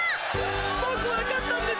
ボクわかったんです。